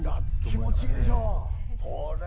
気持ち良いでしょう。